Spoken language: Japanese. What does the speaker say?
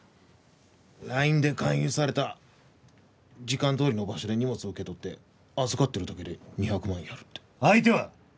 ラインで勧誘された時間どおりの場所で荷物を受け取って預かってるだけで２００万やるって相手は？